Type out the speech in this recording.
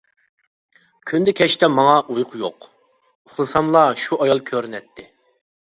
كۈندە كەچتە ماڭا ئۇيقۇ يوق، ئۇخلىساملا شۇ ئايال كۆرۈنەتتى.